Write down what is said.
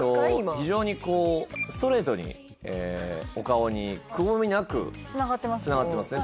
非常にこうストレートにお顔にくぼみなくつながってますね